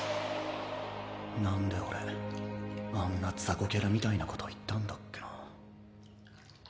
なんで俺あんなザコキャラみたいなこと言ったんだっけな。